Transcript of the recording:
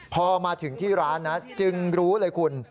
พอมาถึงที่ร้านนะจึงรู้เลยคุณ